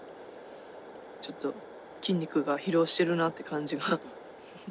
ちょっと筋肉が疲労してるなって感じが。